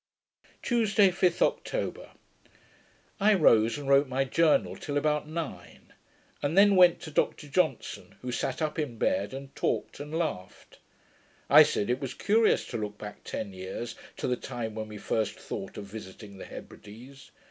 Tuesday, 5th October I rose, and wrote my Journal till about nine; and then went to Dr Johnson, who sat up in bed and talked and laughed. I said, it was curious to look back ten years, to the time when we first thought of visiting the Hebrides.